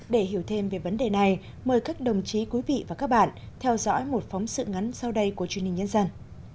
để hiểu thêm về vấn đề này mời các đồng chí quý vị và các bạn theo dõi một phóng sự ngắn sau đây của truyền hình nhân dân